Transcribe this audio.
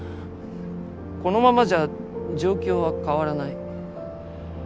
このままじゃ状況は変わらない。